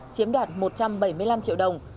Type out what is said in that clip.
chiếm đoạt một trăm bảy mươi năm triệu đồng